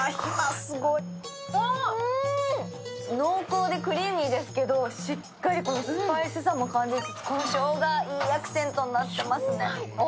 濃厚でクリーミーですけどしっかりスパイスさも感じつつこのしょうが、いいアクセントになってますね。